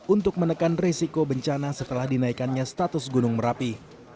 untuk menekan resiko bencana setelah dinaikannya status gunung merapi